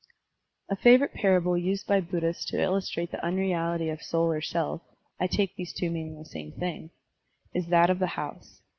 A favorite parable used by Buddhists to illus trate the unreality of soul or self (I take these two meaning the same thing), is that of the house.